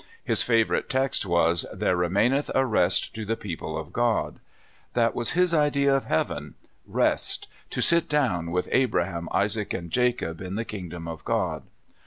His favorite text was: ''There remaineth a rest to the people of God." That was his idea of heaven — rest, to " sit down" with Abraham, Isaac, and Jacob in the kinodom of God.